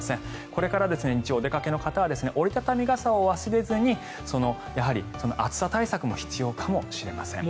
これから日中、お出かけの方は折り畳み傘を忘れずに暑さ対策も必要かもしれません。